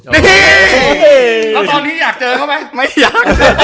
นี่แล้วตอนนี้อยากเจอเขาไหมไม่อยากเจอ